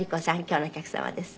今日のお客様です。